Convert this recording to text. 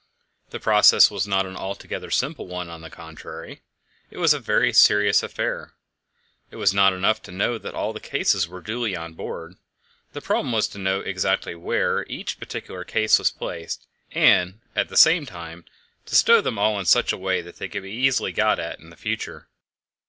This process was not an altogether simple one; on the contrary, it was a very serious affair. It was not enough to know that all the cases were duly on board; the problem was to know exactly where each particular case was placed, and, at the same time, to stow them all in such a way that they could easily be got at in future.